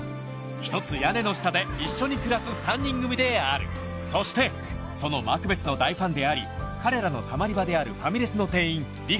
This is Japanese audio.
ひとつ屋根の下で一緒に暮らす３人組であるそしてそのマクベスの大ファンであり彼らのたまり場であるファミレスの店員